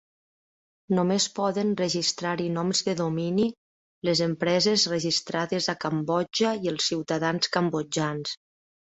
Només poden registrar-hi noms de domini les empreses registrades a Cambodja i els ciutadans cambodjans.